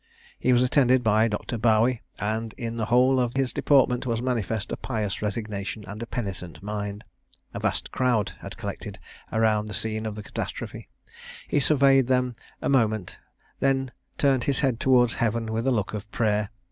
He was attended by Dr. Bowie, and in the whole of his deportment was manifest a pious resignation and a penitent mind. A vast crowd had collected around the scene of the catastrophe: he surveyed them a moment, then turned his head towards Heaven with a look of prayer.